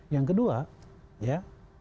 yang kedua ya